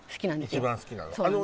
一番好きなの？